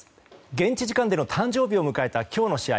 現地時間での誕生日を迎えた今日の試合。